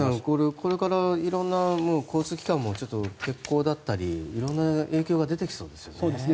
これから色んな交通機関もちょっと欠航だったり色んな影響が出てきそうですね。